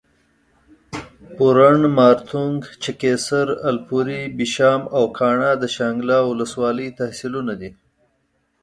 پورڼ، مارتونګ، چکېسر، الپورۍ، بشام او کاڼا د شانګله اولس والۍ تحصیلونه دي